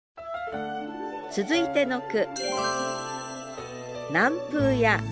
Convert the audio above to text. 続いての句